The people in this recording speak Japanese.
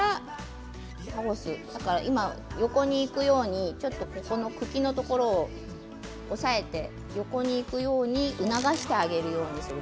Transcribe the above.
今、横にいくように茎のところを押さえて横にいくように促してあげるようにする。